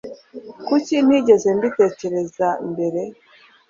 Kuki ntigeze mbitekereza mbere?